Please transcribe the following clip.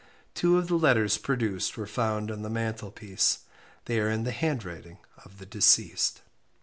Two of the letters produced were found on the mantel piece they are in the handwriting of the deceased.